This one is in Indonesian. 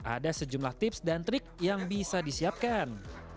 ada sejumlah tips dan trik yang bisa disiapkan